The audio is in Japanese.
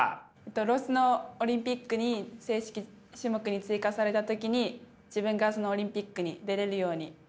ロスのオリンピックに正式種目に追加された時に自分がそのオリンピックに出れるように。